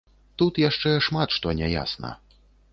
Тут яшчэ шмат што не ясна.